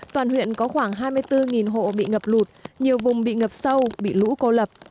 toàn huyện có khoảng hai mươi bốn hộ bị ngập lụt nhiều vùng bị ngập sâu bị lũ cô lập